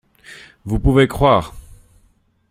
Vous pouvez croire.